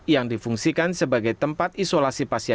yang difungsikan secara berkualitas